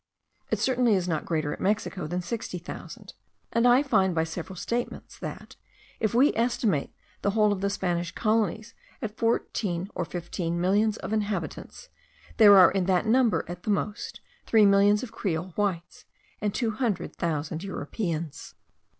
It certainly is not greater at Mexico than sixty thousand; and I find by several statements, that, if we estimate the whole of the Spanish colonies at fourteen or fifteen millions of inhabitants, there are in that number at most three millions of Creole whites, and two hundred thousand Europeans.